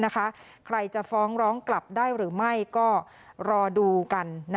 ใครจะฟ้องร้องกลับได้หรือไม่ก็รอดูกัน